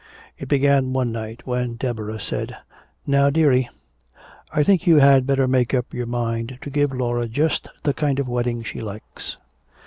It began one night when Deborah said, "Now, dearie, I think you had better make up your mind to give Laura just the kind of wedding she likes."